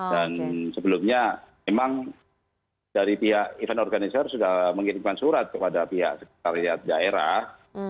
dan sebelumnya memang dari pihak event organizer sudah mengirimkan surat kepada pihak sekretariat daerah